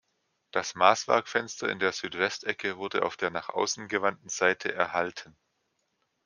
Das Maßwerkfenster in der Südwestecke wurde auf der nach außen gewandten Seite erhalten.